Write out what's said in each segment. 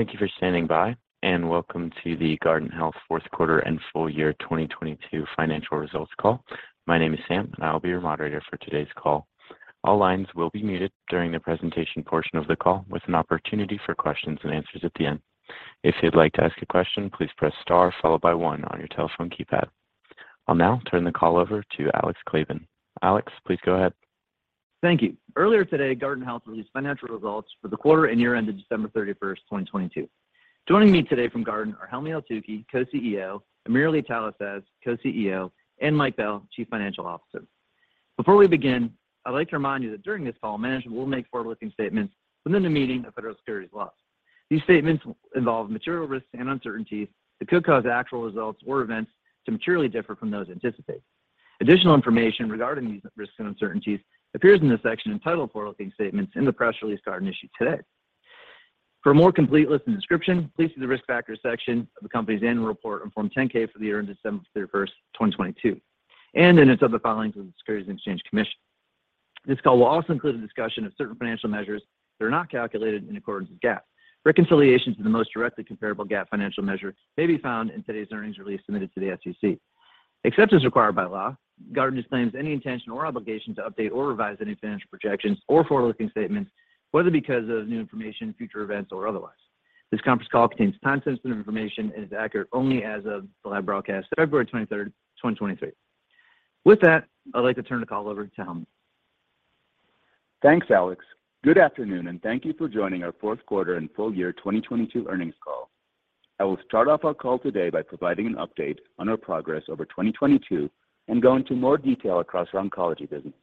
Thank you for standing by, and welcome to the Guardant Health fourth quarter and full year 2022 financial results call. My name is Sam, and I will be your moderator for today's call. All lines will be muted during the presentation portion of the call with an opportunity for questions and answers at the end. If you'd like to ask a question, please press star followed by one on your telephone keypad. I'll now turn the call over to Alex Kleban. Alex, please go ahead. Thank you. Earlier today, Guardant Health released financial results for the quarter and year ended December 31, 2022. Joining me today from Guardant are Helmy Eltoukhy, Co-CEO, AmirAli Talasaz, Co-CEO, and Mike Bell, Chief Financial Officer. Before we begin, I'd like to remind you that during this call, management will make forward-looking statements within the meaning of federal securities laws. These statements involve material risks and uncertainties that could cause actual results or events to materially differ from those anticipated. Additional information regarding these risks and uncertainties appears in the section entitled Forward-Looking Statements in the press release Guardant issued today. For a more complete list and description, please see the Risk Factors section of the company's annual report on Form 10-K for the year ended December 31, 2022, and in its other filings with the Securities and Exchange Commission. This call will also include a discussion of certain financial measures that are not calculated in accordance with GAAP. Reconciliations to the most directly comparable GAAP financial measures may be found in today's earnings release submitted to the SEC. Except as required by law, Guardant disclaims any intention or obligation to update or revise any financial projections or forward-looking statements, whether because of new information, future events, or otherwise. This conference call contains time-sensitive information and is accurate only as of the live broadcast, February 23, 2023. With that, I'd like to turn the call over to Helmy. Thanks, Alex. Good afternoon, thank you for joining our fourth quarter and full year 2022 earnings call. I will start off our call today by providing an update on our progress over 2022 and go into more detail across our oncology business.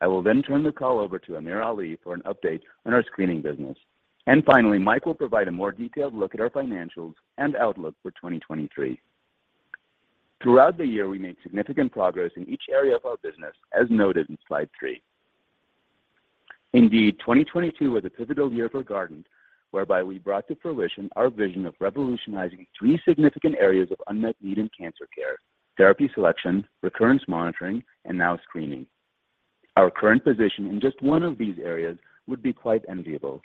I will turn the call over to AmirAli for an update on our screening business. Finally, Mike will provide a more detailed look at our financials and outlook for 2023. Throughout the year, we made significant progress in each area of our business, as noted in slide 3. Indeed, 2022 was a pivotal year for Guardant, whereby we brought to fruition our vision of revolutionizing three significant areas of unmet need in cancer care: therapy selection, recurrence monitoring, and now screening. Our current position in just one of these areas would be quite enviable.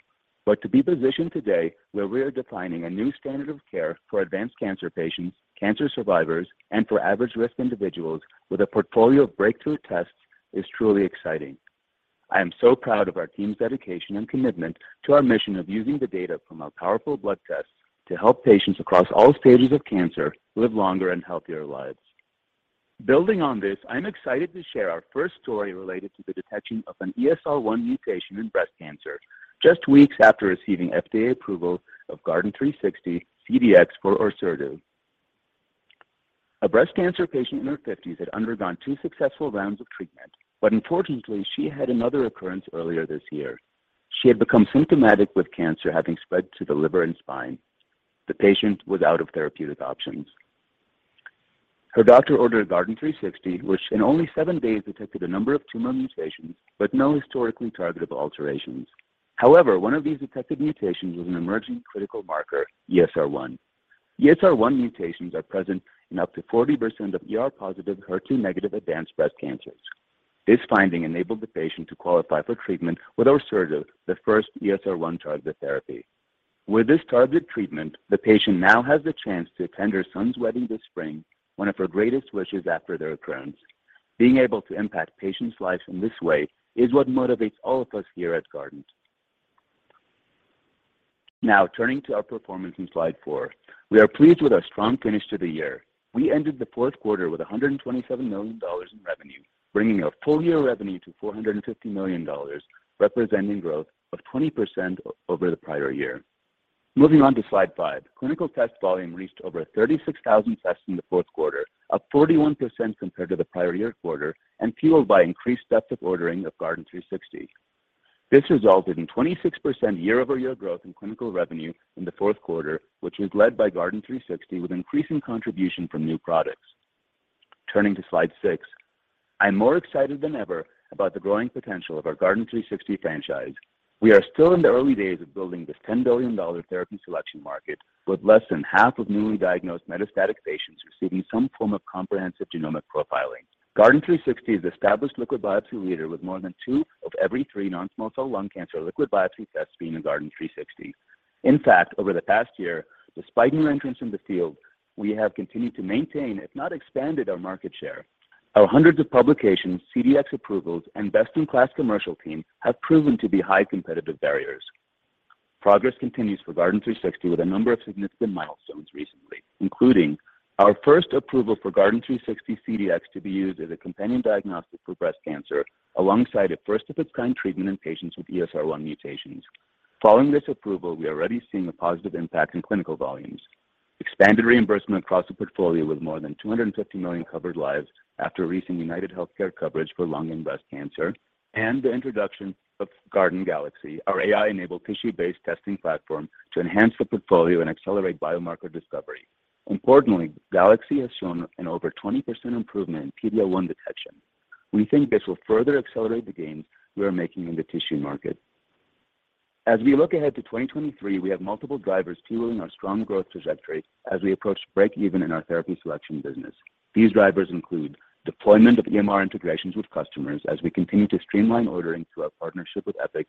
To be positioned today where we are defining a new standard of care for advanced cancer patients, cancer survivors, and for average-risk individuals with a portfolio of breakthrough tests is truly exciting. I am so proud of our team's dedication and commitment to our mission of using the data from our powerful blood tests to help patients across all stages of cancer live longer and healthier lives. Building on this, I'm excited to share our first story related to the detection of an ESR1 mutation in breast cancer just weeks after receiving FDA approval of Guardant360 CDx for Orserdu. A breast cancer patient in her fifties had undergone two successful rounds of treatment, but unfortunately, she had another occurrence earlier this year. She had become symptomatic with cancer having spread to the liver and spine. The patient was out of therapeutic options. Her doctor ordered a Guardant360, which in only seven days detected a number of tumor mutations, but no historically targetable alterations. One of these detected mutations was an emerging critical marker, ESR1. ESR1 mutations are present in up to 40% of ER-positive or HER2-negative advanced breast cancers. This finding enabled the patient to qualify for treatment with Orserdu, the first ESR1-targeted therapy. With this targeted treatment, the patient now has the chance to attend her son's wedding this spring, one of her greatest wishes after the recurrence. Being able to impact patients' lives in this way is what motivates all of us here at Guardant. Turning to our performance in slide 4. We are pleased with our strong finish to the year. We ended the fourth quarter with $127 million in revenue, bringing our full-year revenue to $450 million, representing growth of 20% over the prior year. Moving on to slide 5. Clinical test volume reached over 36,000 tests in the fourth quarter, up 41% compared to the prior year quarter and fueled by increased depths of ordering of Guardant360. This resulted in 26% year-over-year growth in clinical revenue in the fourth quarter, which was led by Guardant360 with increasing contribution from new products. Turning to slide 6. I'm more excited than ever about the growing potential of our Guardant360 franchise. We are still in the early days of building this $10 billion therapy selection market with less than half of newly diagnosed metastatic patients receiving some form of comprehensive genomic profiling. Guardant360 is the established liquid biopsy leader with more than two of every three non-small cell lung cancer liquid biopsy tests being a Guardant360. Over the past year, despite new entrants in the field, we have continued to maintain, if not expanded our market share. Our hundreds of publications, CDx approvals, and best-in-class commercial team have proven to be high competitive barriers. Progress continues for Guardant360 with a number of significant milestones recently, including our first approval for Guardant360 CDx to be used as a companion diagnostic for breast cancer alongside a first-of-its-kind treatment in patients with ESR1 mutations. Following this approval, we are already seeing a positive impact in clinical volumes, expanded reimbursement across the portfolio with more than $250 million covered lives after a recent UnitedHealthcare coverage for lung and breast cancer, and the introduction of Guardant Galaxy, our AI-enabled tissue-based testing platform to enhance the portfolio and accelerate biomarker discovery. Importantly, Galaxy has shown an over 20% improvement in PD-L1 detection. We think this will further accelerate the gains we are making in the tissue market. As we look ahead to 2023, we have multiple drivers fueling our strong growth trajectory as we approach breakeven in our therapy selection business. These drivers include deployment of EMR integrations with customers as we continue to streamline ordering through our partnership with Epic,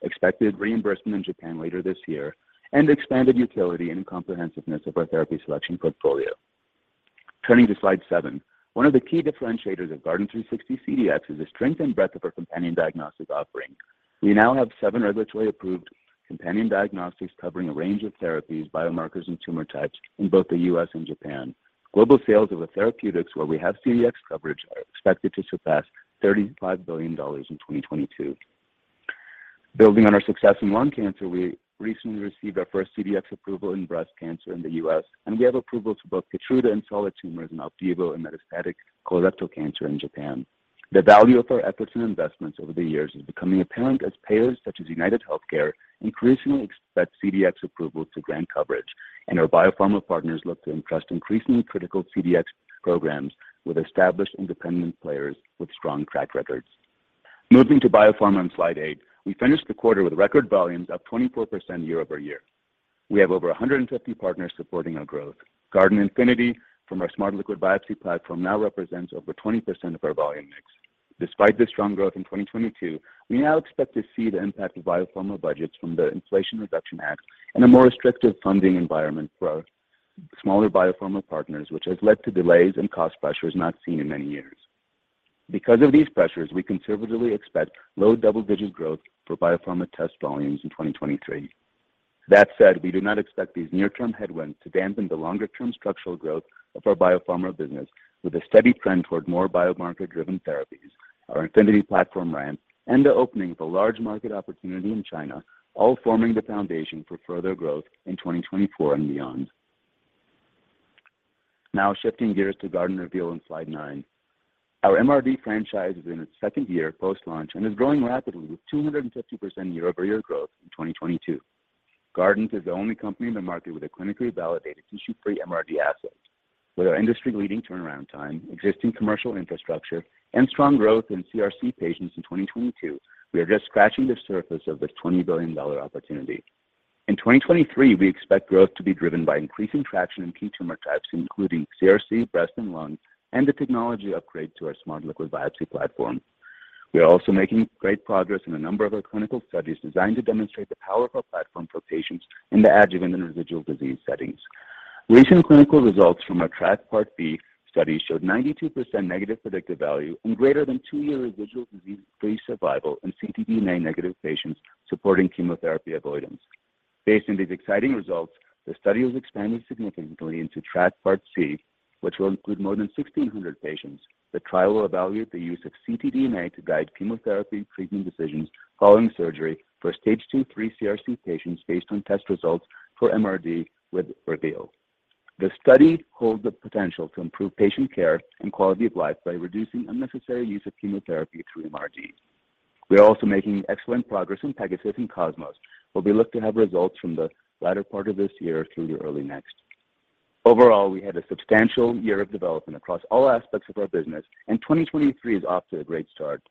expected reimbursement in Japan later this year, and expanded utility and comprehensiveness of our therapy selection portfolio. Turning to slide 7. One of the key differentiators of Guardant360 CDx is the strength and breadth of our companion diagnostic offering. We now have seven regulatory approved companion diagnostics covering a range of therapies, biomarkers, and tumor types in both the U.S. and Japan. Global sales of the therapeutics where we have CDx coverage are expected to surpass $35 billion in 2022. Building on our success in lung cancer, we recently received our first CDx approval in breast cancer in the U.S., and we have approval for both Keytruda in solid tumors and Opdivo in metastatic colorectal cancer in Japan. The value of our efforts and investments over the years is becoming apparent as payers such as UnitedHealthcare increasingly expect CDx approval to grant coverage, and our biopharma partners look to entrust increasingly critical CDx programs with established independent players with strong track records. Moving to biopharma on slide 8, we finished the quarter with record volumes up 24% year-over-year. We have over 150 partners supporting our growth. Guardant Infinity from our Smart Liquid Biopsy platform now represents over 20% of our volume mix. Despite this strong growth in 2022, we now expect to see the impact of biopharma budgets from the Inflation Reduction Act and a more restrictive funding environment for our smaller biopharma partners, which has led to delays and cost pressures not seen in many years. Because of these pressures, we conservatively expect low double-digit growth for biopharma test volumes in 2023. That said, we do not expect these near term headwinds to dampen the longer-term structural growth of our biopharma business with a steady trend toward more biomarker driven therapies. Our Infinity Platform Ramp and the opening of a large market opportunity in China, all forming the foundation for further growth in 2024 and beyond. Shifting gears to Guardant Reveal on slide 9. Our MRD franchise is in its second year post-launch and is growing rapidly with 250% year-over-year growth in 2022. Guardant is the only company in the market with a clinically validated tissue-free MRD asset. With our industry-leading turnaround time, existing commercial infrastructure, and strong growth in CRC patients in 2022, we are just scratching the surface of this $20 billion opportunity. In 2023, we expect growth to be driven by increasing traction in key tumor types, including CRC, breast and lung, and the technology upgrade to our Smart Liquid Biopsy platform. We are also making great progress in a number of our clinical studies designed to demonstrate the power of our platform for patients in the adjuvant individual disease settings. Recent clinical results from our TRACC part B study showed 92% negative predictive value and greater than 2-year visual disease-free survival in ctDNA negative patients supporting chemotherapy avoidance. Based on these exciting results, the study was expanded significantly into TRACC part C, which will include more than 1,600 patients. The trial will evaluate the use of ctDNA to guide chemotherapy treatment decisions following surgery for stage 2, 3 CRC patients based on test results for MRD with Reveal. The study holds the potential to improve patient care and quality of life by reducing unnecessary use of chemotherapy through MRD. We are also making excellent progress in Pegasus and Cosmos, where we look to have results from the latter part of this year through to early next. Overall, we had a substantial year of development across all aspects of our business. 2023 is off to a great start.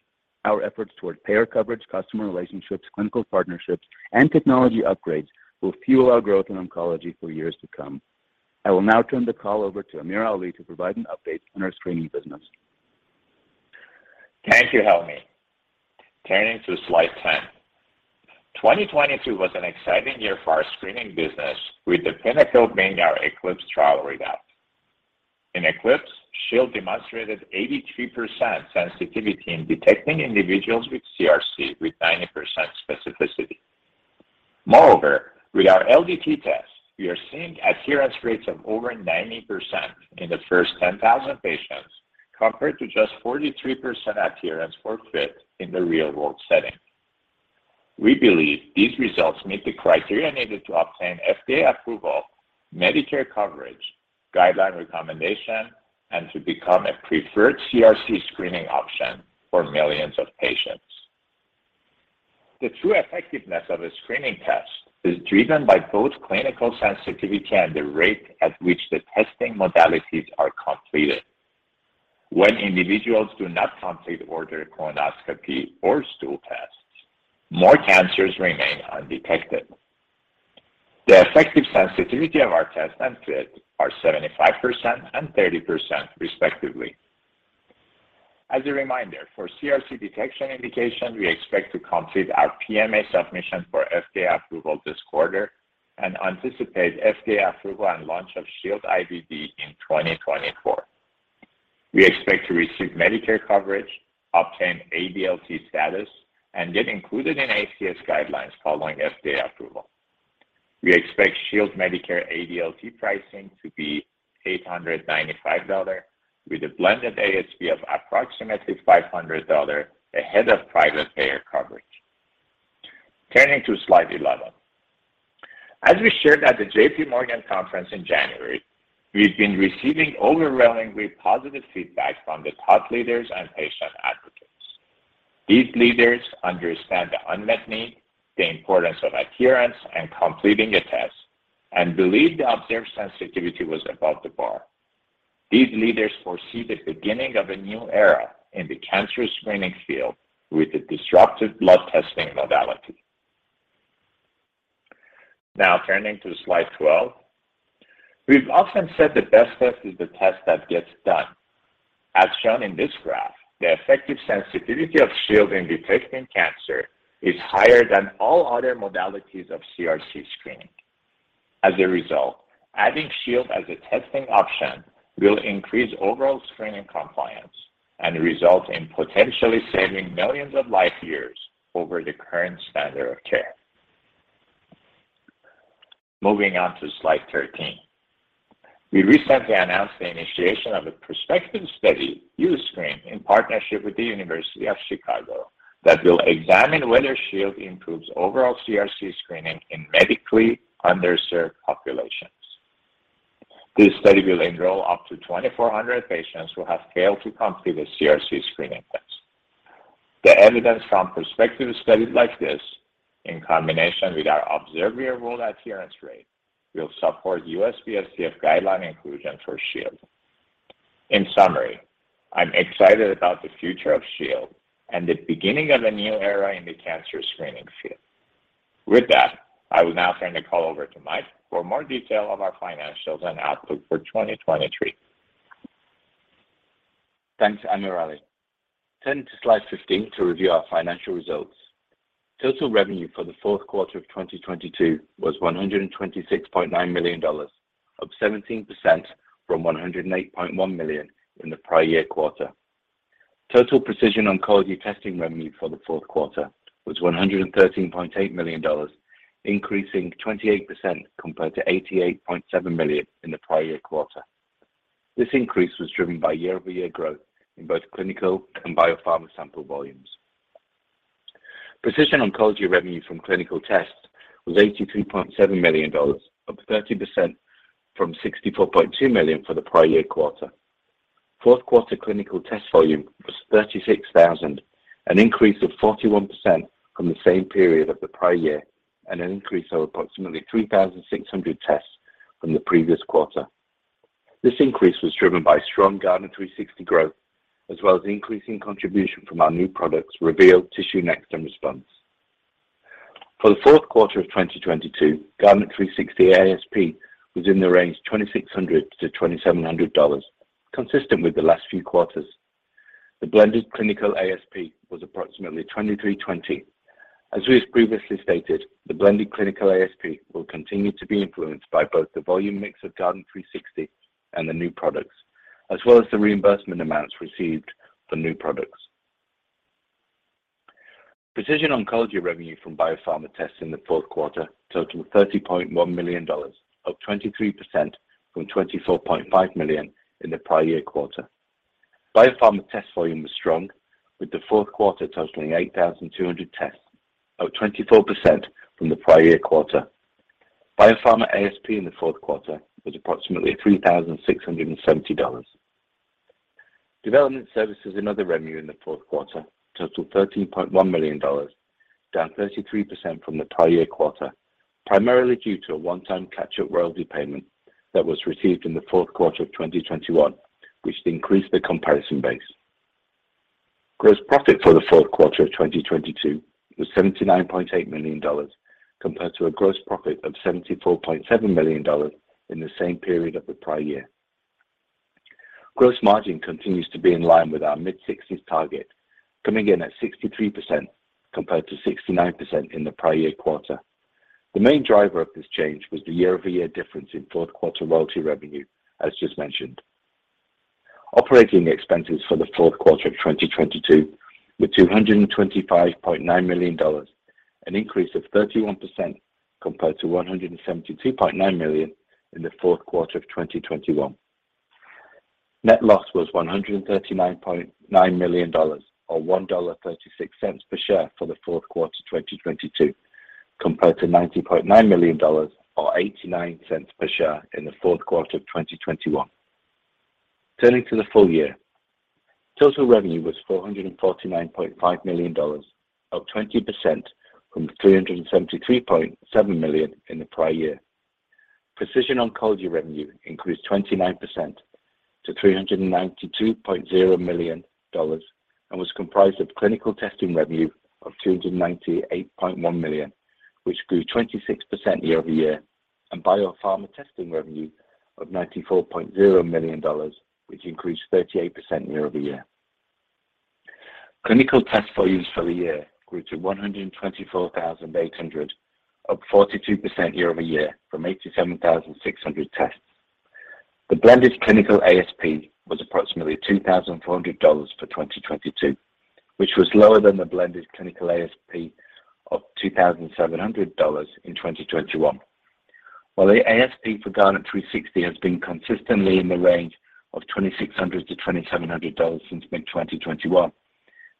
Our efforts toward payer coverage, customer relationships, clinical partnerships, and technology upgrades will fuel our growth in oncology for years to come. I will now turn the call over to AmirAli to provide an update on our screening business. Thank you, Helmy. Turning to slide 10. 2022 was an exciting year for our screening business, with the pinnacle being our ECLIPSE trial results. In ECLIPSE, Shield demonstrated 83% sensitivity in detecting individuals with CRC with 90% specificity. Moreover, with our LDT test, we are seeing adherence rates of over 90% in the first 10,000 patients, compared to just 43% adherence for FIT in the real-world setting. We believe these results meet the criteria needed to obtain FDA approval, Medicare coverage, guideline recommendation, and to become a preferred CRC screening option for millions of patients. The true effectiveness of a screening test is driven by both clinical sensitivity and the rate at which the testing modalities are completed. When individuals do not complete ordered colonoscopy or stool tests, more cancers remain undetected. The effective sensitivity of our test and FIT are 75% and 30%, respectively. As a reminder, for CRC detection indication, we expect to complete our PMA submission for FDA approval this quarter and anticipate FDA approval and launch of Shield IVD in 2024. We expect to receive Medicare coverage, obtain ADLT status, and get included in NCCN guidelines following FDA approval. We expect Shield Medicare ADLT pricing to be $895 with a blended ASP of approximately $500 ahead of private payer coverage. Turning to slide 11. As we shared at the JPMorgan conference in January, we've been receiving overwhelmingly positive feedback from the thought leaders and patient advocates. These leaders understand the unmet need, the importance of adherence and completing a test, and believe the observed sensitivity was above the bar. These leaders foresee the beginning of a new era in the cancer screening field with a disruptive blood testing modality. Turning to slide 12. We've often said the best test is the test that gets done. Shown in this graph, the effective sensitivity of Shield in detecting cancer is higher than all other modalities of CRC screening. Adding Shield as a testing option will increase overall screening compliance and result in potentially saving millions of life years over the current standard of care. Moving on to slide 13. We recently announced the initiation of a prospective study, U-SCREEN, in partnership with the University of Chicago, that will examine whether Shield improves overall CRC screening in medically underserved populations. This study will enroll up to 2,400 patients who have failed to complete a CRC screening test. The evidence from prospective studies like this, in combination with our observed year-old adherence rate, will support USPSTF guideline inclusion for Shield. In summary, I'm excited about the future of Shield and the beginning of a new era in the cancer screening field. With that, I will now turn the call over to Mike for more detail on our financials and outlook for 2023. Thanks, AmirAli. Turning to slide 15 to review our financial results. Total revenue for the fourth quarter of 2022 was $126.9 million, up 17% from $108.1 million in the prior year quarter. Total precision oncology testing revenue for the fourth quarter was $113.8 million, increasing 28% compared to $88.7 million in the prior year quarter. This increase was driven by year-over-year growth in both clinical and biopharma sample volumes. Precision oncology revenue from clinical tests was $82.7 million, up 30% from $64.2 million for the prior year quarter. Fourth quarter clinical test volume was 36,000, an increase of 41% from the same period of the prior year and an increase of approximately 3,600 tests from the previous quarter. This increase was driven by strong Guardant360 growth as well as increasing contribution from our new products, Reveal, TissueNext, and Response. For the fourth quarter of 2022, Guardant360 ASP was in the range $2,600-$2,700, consistent with the last few quarters. The blended clinical ASP was approximately $2,320. As we have previously stated, the blended clinical ASP will continue to be influenced by both the volume mix of Guardant360 and the new products, as well as the reimbursement amounts received for new products. Precision oncology revenue from biopharma tests in the fourth quarter totaled $30.1 million, up 23% from $24.5 million in the prior year quarter. Biopharma test volume was strong, with the fourth quarter totaling 8,200 tests, up 24% from the prior year quarter. Biopharma ASP in the fourth quarter was approximately $3,670. Development services and other revenue in the fourth quarter totaled $13.1 million, down 33% from the prior year quarter, primarily due to a one-time catch-up royalty payment that was received in the fourth quarter of 2021, which increased the comparison base. Gross profit for the fourth quarter of 2022 was $79.8 million, compared to a gross profit of $74.7 million in the same period of the prior year. Gross margin continues to be in line with our mid-60s target, coming in at 63%, compared to 69% in the prior year quarter. The main driver of this change was the year-over-year difference in fourth quarter royalty revenue, as just mentioned. Operating expenses for the fourth quarter of 2022 were $225.9 million, an increase of 31% compared to $172.9 million in the fourth quarter of 2021. Net loss was $139.9 million or $1.36 per share for the fourth quarter of 2022, compared to $90.9 million or $0.89 per share in the fourth quarter of 2021. Turning to the full year. Total revenue was $449.5 million, up 20% from $373.7 million in the prior year. Precision oncology revenue increased 29% to $392.0 million and was comprised of clinical testing revenue of $298.1 million, which grew 26% year-over-year, and biopharma testing revenue of $94.0 million, which increased 38% year-over-year. Clinical test volumes for the year grew to 124,800, up 42% year-over-year from 87,600 tests. The blended clinical ASP was approximately $2,400 for 2022, which was lower than the blended clinical ASP of $2,700 in 2021. While the ASP for Guardant360 has been consistently in the range of $2,600-$2,700 since mid-2021,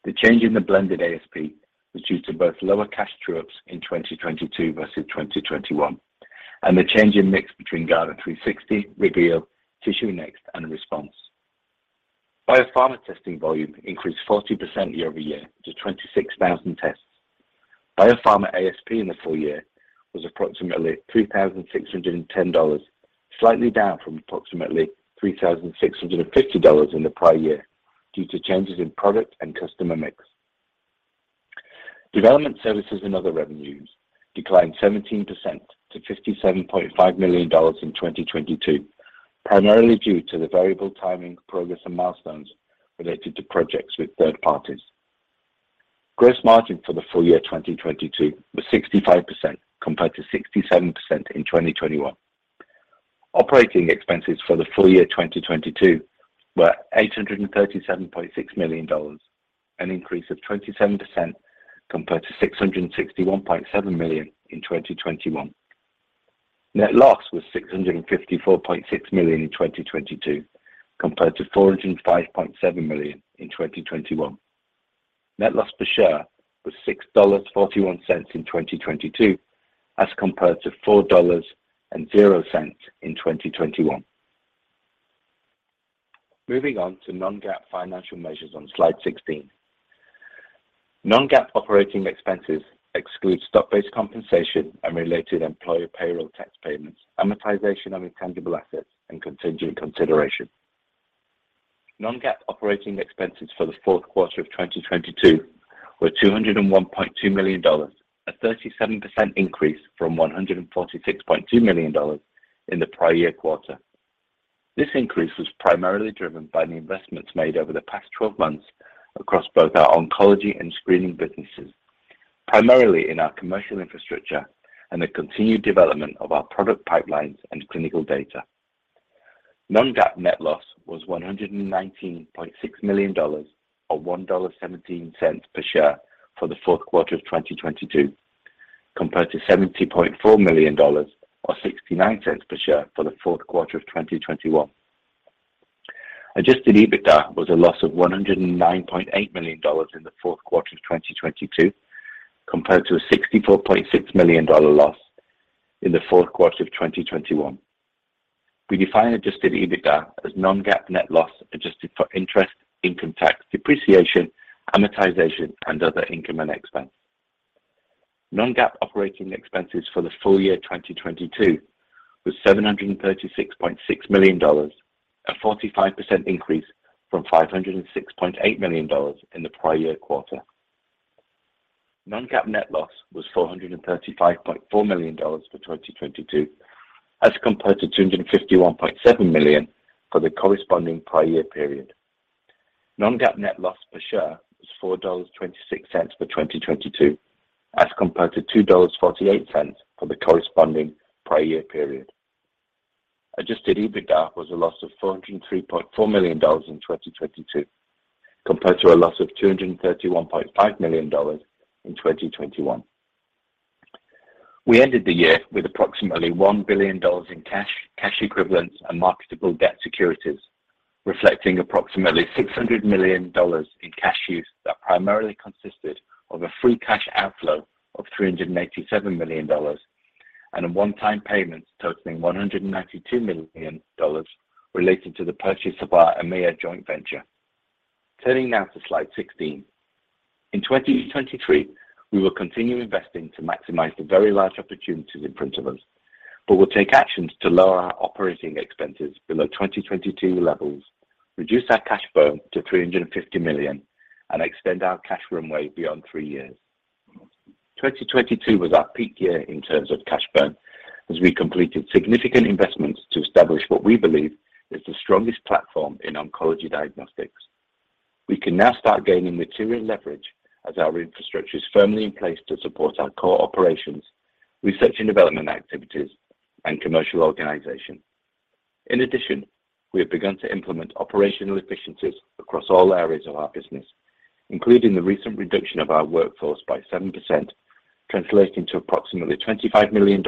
the change in the blended ASP was due to both lower cash through in 2022 versus 2021 and the change in mix between Guardant360, Reveal, TissueNext and Response. Biopharma testing volume increased 40% year-over-year to 26,000 tests. Biopharma ASP in the full year was approximately $3,610, slightly down from approximately $3,650 in the prior year due to changes in product and customer mix. Development services and other revenues declined 17% to $57.5 million in 2022, primarily due to the variable timing progress and milestones related to projects with third parties. Gross margin for the full year 2022 was 65% compared to 67% in 2021. Operating expenses for the full year 2022 were $837.6 million, an increase of 27% compared to $661.7 million in 2021. Net loss was $654.6 million in 2022 compared to $405.7 million in 2021. Net loss per share was $6.41 in 2022 as compared to $4.00 in 2021. Moving on to non-GAAP financial measures on slide 16. Non-GAAP operating expenses exclude stock-based compensation and related employer payroll tax payments, amortization of intangible assets, and contingent consideration. Non-GAAP operating expenses for the fourth quarter of 2022 were $201.2 million, a 37% increase from $146.2 million in the prior year quarter. This increase was primarily driven by the investments made over the past 12 months across both our oncology and screening businesses, primarily in our commercial infrastructure and the continued development of our product pipelines and clinical data. Non-GAAP net loss was $119.6 million, or $1.17 per share for the fourth quarter of 2022, compared to $70.4 million or $0.69 per share for the fourth quarter of 2021. Adjusted EBITDA was a loss of $109.8 million in the fourth quarter of 2022, compared to a $64.6 million loss in the fourth quarter of 2021. We define Adjusted EBITDA as non-GAAP net loss, adjusted for interest, income tax, depreciation, amortization, and other income and expense. Non-GAAP operating expenses for the full year 2022 was $736.6 million, a 45% increase from $506.8 million in the prior year quarter. Non-GAAP net loss was $435.4 million for 2022 as compared to $251.7 million for the corresponding prior year period. Non-GAAP net loss per share was $4.26 for 2022 as compared to $2.48 for the corresponding prior year period. Adjusted EBITDA was a loss of $403.4 million in 2022 compared to a loss of $231.5 million in 2021. We ended the year with approximately $1 billion in cash equivalents, and marketable debt securities, reflecting approximately $600 million in cash use that primarily consisted of a free cash outflow of $387 million and a one-time payment totaling $192 million related to the purchase of our EMEA joint venture. Turning now to slide 16. In 2023, we will continue investing to maximize the very large opportunities in front of us. We'll take actions to lower our operating expenses below 2022 levels, reduce our cash burn to $350 million, and extend our cash runway beyond three years. 2022 was our peak year in terms of cash burn as we completed significant investments to establish what we believe is the strongest platform in oncology diagnostics. We can now start gaining material leverage as our infrastructure is firmly in place to support our core operations, R&D activities, and commercial organization. In addition, we have begun to implement operational efficiencies across all areas of our business, including the recent reduction of our workforce by 7%, translating to approximately $25 million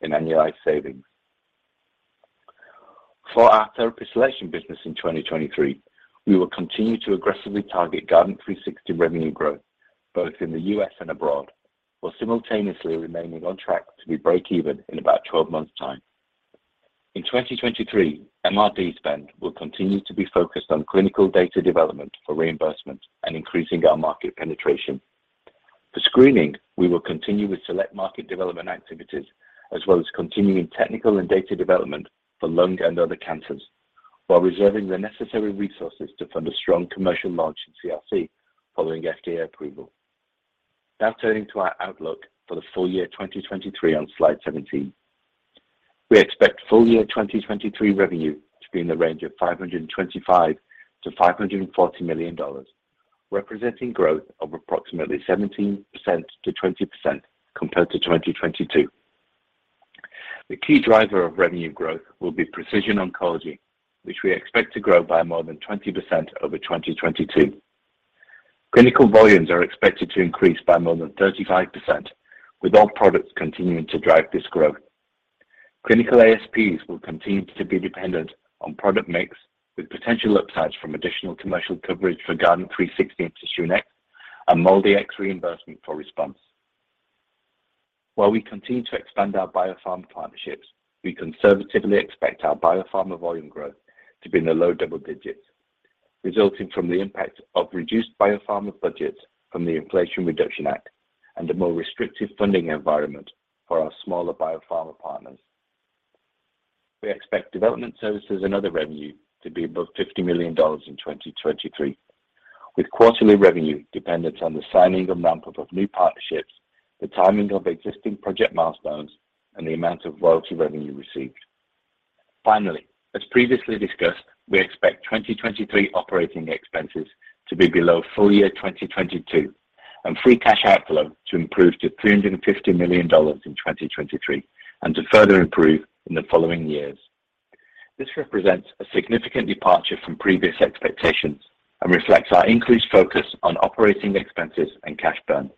in annualized savings. For our therapy selection business in 2023, we will continue to aggressively target Guardant360 revenue growth both in the U.S. and abroad, while simultaneously remaining on track to be breakeven in about 12 months time. In 2023, MRD spend will continue to be focused on clinical data development for reimbursement and increasing our market penetration. For screening, we will continue with select market development activities as well as continuing technical and data development for lung and other cancers while reserving the necessary resources to fund a strong commercial launch in CRC following FDA approval. Turning to our outlook for the full year 2023 on slide 17. We expect full year 2023 revenue to be in the range of $525 million-$540 million, representing growth of approximately 17%-20% compared to 2022. The key driver of revenue growth will be precision oncology, which we expect to grow by more than 20% over 2022. Clinical volumes are expected to increase by more than 35%, with all products continuing to drive this growth. Clinical ASPs will continue to be dependent on product mix, with potential upsides from additional commercial coverage for Guardant360 in TissueNext and MolDX reimbursement for Response. While we continue to expand our biopharma partnerships, we conservatively expect our biopharma volume growth to be in the low double digits, resulting from the impact of reduced biopharma budgets from the Inflation Reduction Act and a more restrictive funding environment for our smaller biopharma partners. We expect development services and other revenue to be above $50 million in 2023, with quarterly revenue dependent on the signing and ramp-up of new partnerships, the timing of existing project milestones, and the amount of royalty revenue received. Finally, as previously discussed, we expect 2023 operating expenses to be below full year 2022 and free cash outflow to improve to $350 million in 2023 and to further improve in the following years. This represents a significant departure from previous expectations and reflects our increased focus on operating expenses and cash burn.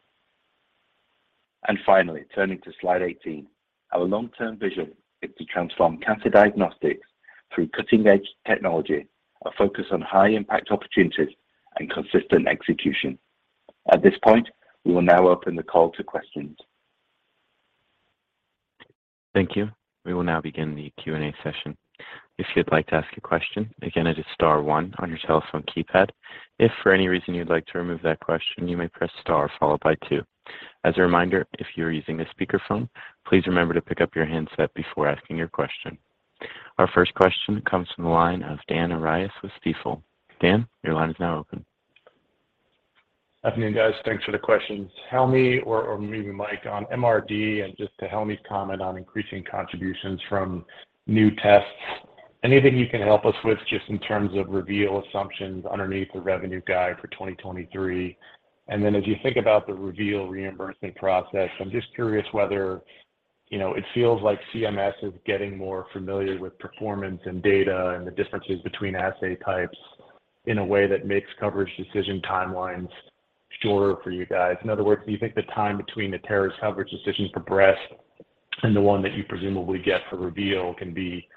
Finally, turning to slide 18, our long-term vision is to transform cancer diagnostics through cutting-edge technology, a focus on high-impact opportunities and consistent execution. At this point, we will now open the call to questions. Thank you. We will now begin the Q&A session. If you'd like to ask a question, again, it is star one on your telephone keypad. If for any reason you'd like to remove that question, you may press star followed by two. As a reminder, if you are using a speakerphone, please remember to pick up your handset before asking your question. Our first question comes from the line of Dan Arias with Stifel. Dan, your line is now open. Good afternoon, guys. Thanks for the questions. Helmy or maybe Mike on MRD, just to Helmy's comment on increasing contributions from new tests, anything you can help us with just in terms of Reveal assumptions underneath the revenue guide for 2023. As you think about the Reveal reimbursement process, I'm just curious whether, you know, it feels like CMS is getting more familiar with performance and data and the differences between assay types in a way that makes coverage decision timelines shorter for you guys. In other words, do you think the time between the Natera's coverage decision for breast and the one that you presumably get for Reveal can be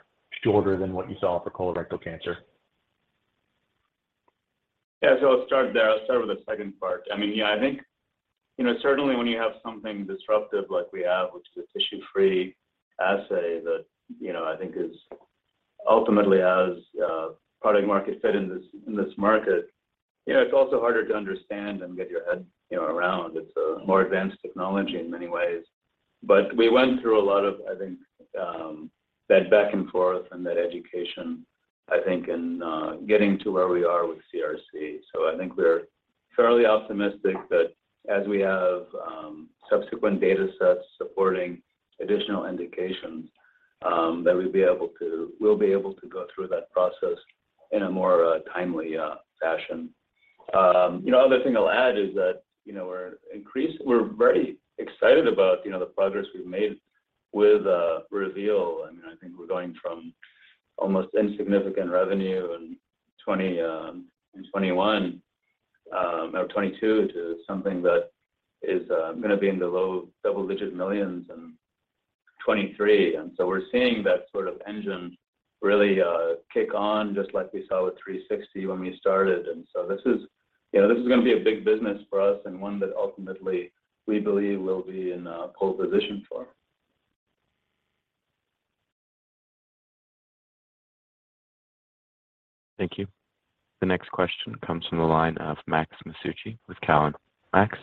shorter than what you saw for colorectal cancer? Yeah. I'll start there. I'll start with the second part. I mean, yeah, I think, you know, certainly when you have something disruptive like we have, which is a tissue-free assay that, you know, I think is ultimately as product market fit in this, in this market. You know, it's also harder to understand and get your head, you know, around. It's a more advanced technology in many ways. We went through a lot of, I think, that back and forth and that education, I think, in getting to where we are with CRC. I think we're fairly optimistic that as we have subsequent data sets supporting additional indications, that we'll be able to go through that process in a more timely fashion. You know, other thing I'll add is that, you know, we're very excited about, you know, the progress we've made with Guardant Reveal. I mean, I think we're going from almost insignificant revenue in 20, in 21, or 22 to something that is gonna be in the low double-digit millions in 23. We're seeing that sort of engine really kick on just like we saw with Guardant360 when we started. This is, you know, this is gonna be a big business for us and one that ultimately we believe we'll be in a pole position for. Thank you. The next question comes from the line of Max Masucci with Cowen. Max.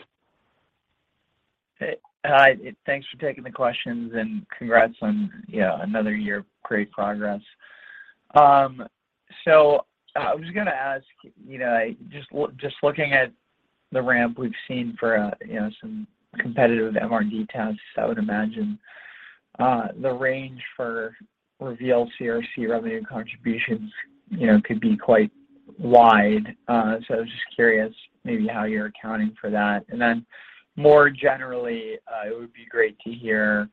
Hey. Hi. Thanks for taking the questions, congrats on, you know, another year of great progress. I was gonna ask, you know, just looking at the ramp we've seen for, you know, some competitive MRD tests, I would imagine, the range for Reveal CRC revenue contributions, you know, could be quite wide. I was just curious maybe how you're accounting for that. Then more generally, it would be great to hear,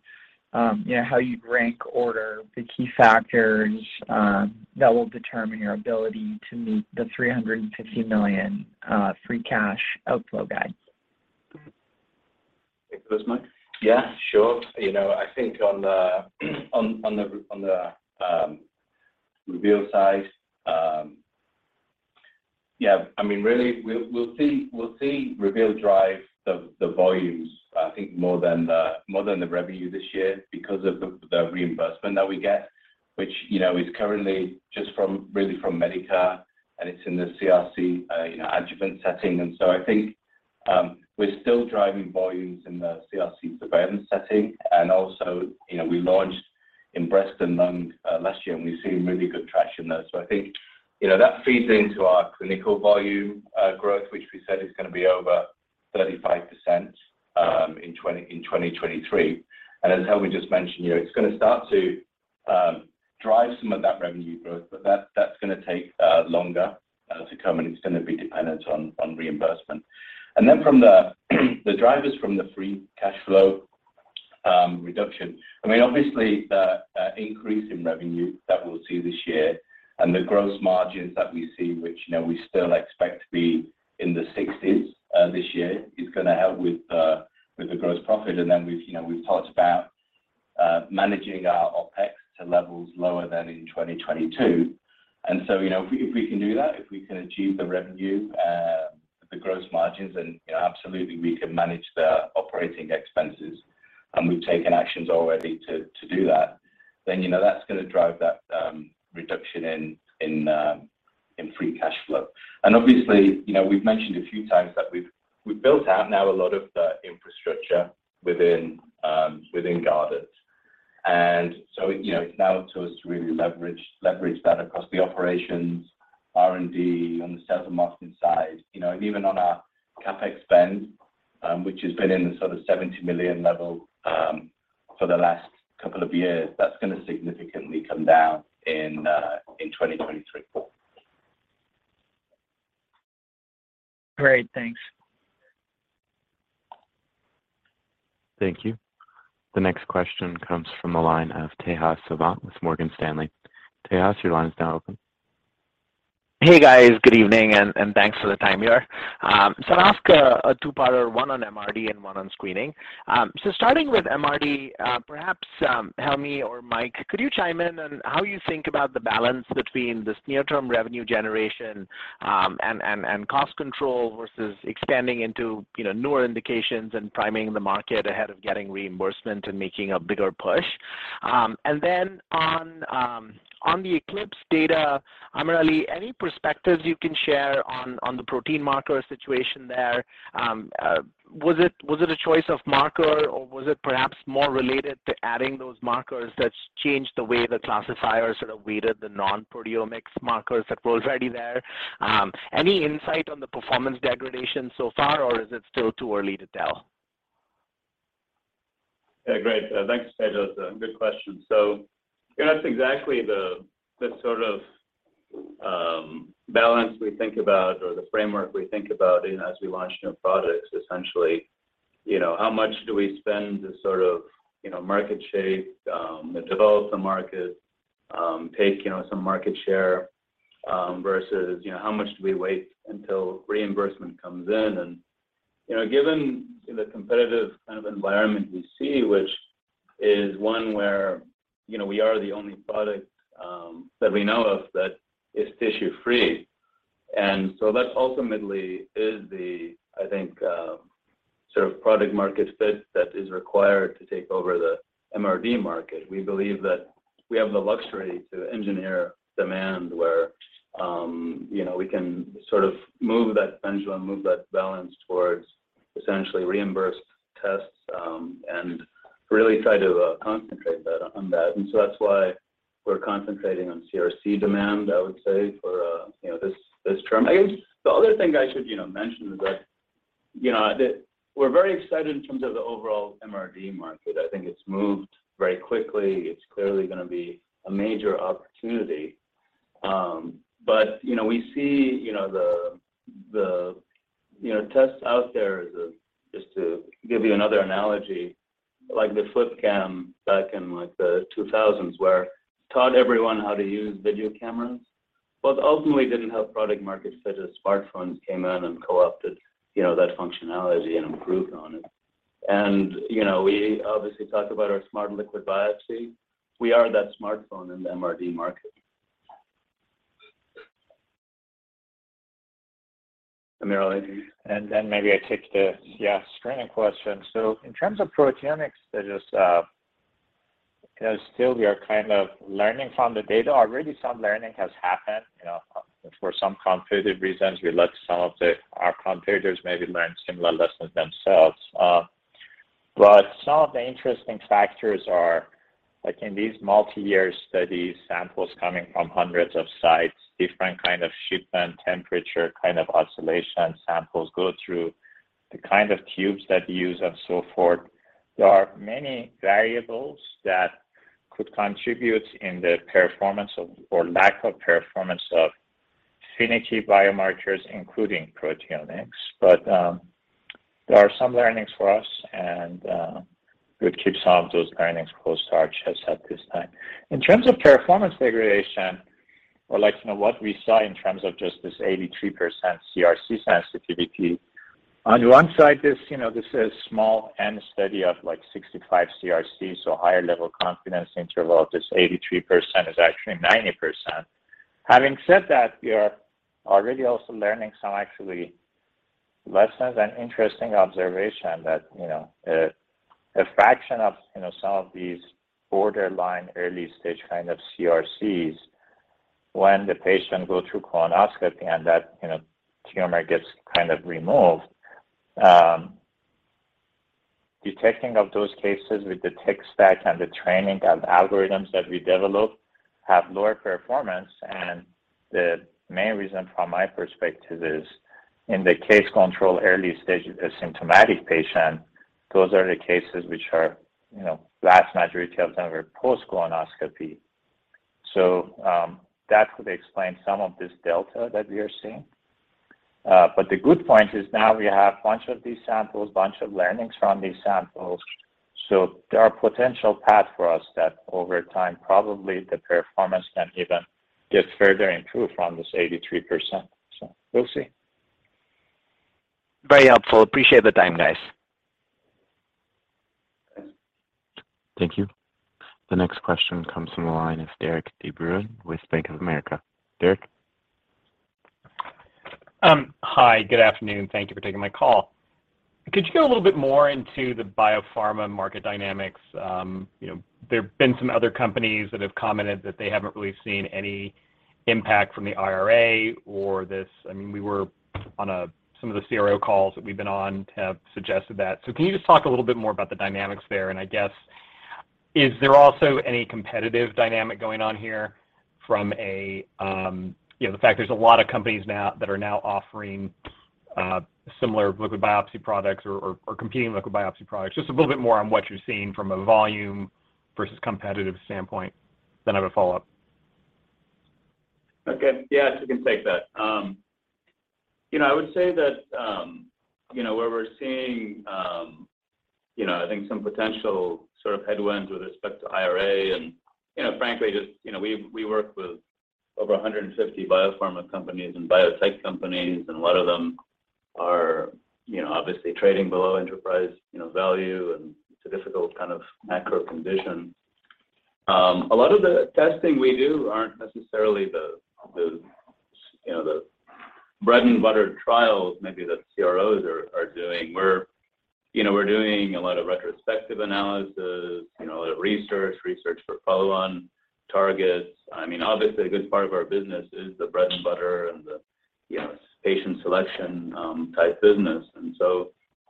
you know, how you'd rank order the key factors, that will determine your ability to meet the $350 million free cash outflow guide. Take this, Mike. Yeah, sure. You know, I think on the Reveal side, yeah, I mean, really, we'll see Reveal drive the volumes, I think more than the, more than the revenue this year because of the reimbursement that we get, which, you know, is currently just from, really from Medicare, and it's in the CRC, you know, adjuvant setting. I think, we're still driving volumes in the CRC surveillance setting. You know, we launched in breast and lung last year, and we've seen really good traction there. I think, you know, that feeds into our clinical volume growth, which we said is gonna be over 35% in 2023. As Helmy just mentioned, you know, it's gonna start to drive some of that revenue growth, but that's gonna take longer to come, and it's gonna be dependent on reimbursement. Then from the drivers from the free cash flow reduction, I mean, obviously the increase in revenue that we'll see this year and the gross margins that we see, which, you know, we still expect to be in the 60s this year, is gonna help with the gross profit. Then we've, you know, we've talked about managing our OpEx to levels lower than in 2022. You know, if we can do that, if we can achieve the revenue, the gross margins, you know, absolutely we can manage the operating expenses, we've taken actions already to do that, you know, that's gonna drive that reduction in. In free cash flow. Obviously, you know, we've mentioned a few times that we've built out now a lot of the infrastructure within Guardant. You know, it's now up to us to really leverage that across the operations, R&D, on the sales and marketing side, you know. Even on our CapEx spend, which has been in the sort of $70 million level for the last couple of years. That's gonna significantly come down in 2023. Great. Thanks. Thank you. The next question comes from the line of Tejas Savant with Morgan Stanley. Tejas, your line is now open. Hey, guys. Good evening, and thanks for the time here. I'll ask a two-parter, one on MRD and one on screening. Starting with MRD, perhaps Helmy or Mike, could you chime in on how you think about the balance between this near-term revenue generation and cost control versus expanding into, you know, newer indications and priming the market ahead of getting reimbursement and making a bigger push? On the ECLIPSE data, AmirAli, any perspectives you can share on the protein marker situation there? Was it a choice of marker, or was it perhaps more related to adding those markers that's changed the way the classifier sort of weighted the non-proteomics markers that were already there? Any insight on the performance degradation so far, or is it still too early to tell? Yeah, great. Thanks, Tejas. Good question. You know, that's exactly the sort of balance we think about or the framework we think about, you know, as we launch new products, essentially. You know, how much do we spend to sort of, you know, market shape, develop the market, take, you know, some market share, versus, you know, how much do we wait until reimbursement comes in? You know, given the competitive kind of environment we see, which is one where, you know, we are the only product that we know of that is tissue-free. That ultimately is the, I think, sort of product market fit that is required to take over the MRD market. We believe that we have the luxury to engineer demand where, you know, we can sort of move that pendulum, move that balance towards essentially reimbursed tests, and really try to concentrate on that. That's why we're concentrating on CRC demand, I would say, for, you know, this term. The other thing I should, you know, mention is that, you know, that we're very excited in terms of the overall MRD market. I think it's moved very quickly. It's clearly gonna be a major opportunity. You know, we see, you know, the, you know, tests out there as a... Just to give you another analogy, like the Flip Video back in, like, the 2000s where it taught everyone how to use video cameras, but ultimately didn't have product market fit as smartphones came in and co-opted, you know, that functionality and improved on it. You know, we obviously talked about our Smart Liquid Biopsy. We are that smartphone in the MRD market. AmirAli? Maybe I take the, yeah, screening question. In terms of proteomics, they're just, you know, still we are kind of learning from the data. Already some learning has happened, you know. For some competitive reasons, we let our competitors maybe learn similar lessons themselves. Some of the interesting factors are, like in these multi-year studies, samples coming from hundreds of sites, different kind of shipment temperature, kind of oscillation samples go through, the kind of tubes that you use and so forth. There are many variables that could contribute in the performance of or lack of performance of finicky biomarkers, including proteomics. There are some learnings for us, and we'll keep some of those learnings close to our chest at this time. In terms of performance degradation or like, you know, what we saw in terms of just this 83% CRC sensitivity, on the one side, this, you know, this is small N study of, like, 65 CRCs, so higher level confidence interval of this 83% is actually 90%. Having said that, we are already also learning some actually lessons and interesting observation that, you know, a fraction of, you know, some of these borderline early-stage kind of CRCs, when the patient go through colonoscopy and that, you know, tumor gets kind of removed, detecting of those cases with the tech stack and the training of algorithms that we develop have lower performance. The main reason from my perspective is in the case control early stage, symptomatic patient, those are the cases which are, you know, last majority of them were post colonoscopy. That could explain some of this delta that we are seeing. The good point is now we have bunch of these samples, bunch of learnings from these samples. There are potential path for us that over time probably the performance can even get further improved from this 83%. We'll see. Very helpful. Appreciate the time, guys. Thank you. The next question comes from the line of Derik De Bruin with Bank of America. Derik? Hi. Good afternoon. Thank you for taking my call. Could you go a little bit more into the biopharma market dynamics? You know, there have been some other companies that have commented that they haven't really seen any impact from the IRA. I mean, Some of the CRO calls that we've been on have suggested that. Can you just talk a little bit more about the dynamics there? I guess, is there also any competitive dynamic going on here from a, you know, the fact there's a lot of companies that are now offering similar liquid biopsy products or competing liquid biopsy products? Just a little bit more on what you're seeing from a volume versus competitive standpoint, then I have a follow-up. Okay. Yeah. I can take that. You know, I would say that, you know, where we're seeing, you know, I think some potential sort of headwinds with respect to IRA and, you know, frankly, just, you know, we work with over 150 biopharma companies and biotech companies, and a lot of them are, you know, obviously trading below enterprise, you know, value, and it's a difficult kind of macro condition. A lot of the testing we do aren't necessarily the, you know, the bread and butter trials maybe that CROs are doing. We're, you know, we're doing a lot of retrospective analysis, you know, a lot of research for follow-on targets. I mean, obviously, a good part of our business is the bread and butter and the, you know, patient selection, type business.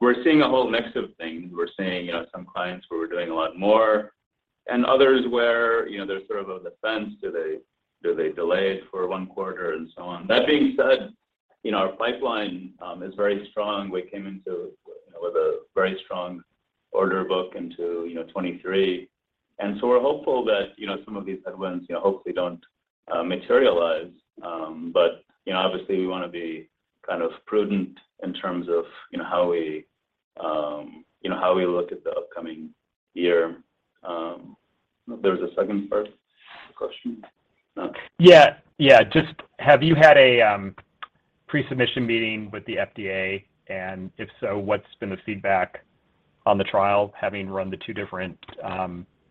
We're seeing a whole mix of things. We're seeing, you know, some clients where we're doing a lot more and others where, you know, there's sort of a defense. Do they delay it for one quarter and so on? That being said, you know, our pipeline is very strong. We came into, you know, with a very strong order book into, you know, 23. We're hopeful that, you know, some of these headwinds, you know, hopefully don't materialize. But, you know, obviously, we wanna be kind of prudent in terms of, you know, how we, you know, how we look at the upcoming year. There was a second part of the question? Yeah. Yeah. Just have you had a pre-submission meeting with the FDA? And if so, what's been the feedback on the trial, having run the two different